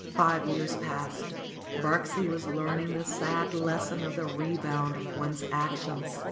Five years passed. Birksie was learning the sad lesson of the rebound of one's actions.